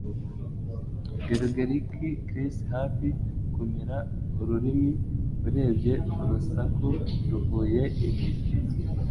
gurgleink Chris hafi kumira ururimi, urebye urusaku ruvuye inyuma.